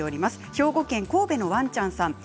兵庫県の方です。